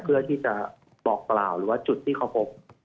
เพื่อที่จะบอกกล่าวหรือว่าจุดที่เขาพบ